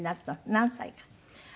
何歳から？